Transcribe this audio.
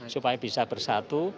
supaya bisa bersatu